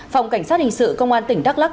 phòng cảnh sát hình sự công an tỉnh đắk lắc